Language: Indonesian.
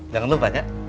jangan lupa ya